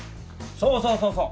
そうそうそうそう。